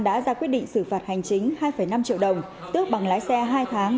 đã ra quyết định xử phạt hành chính hai năm triệu đồng tước bằng lái xe hai tháng